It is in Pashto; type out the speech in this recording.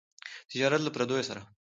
تجارت له پرديو سره.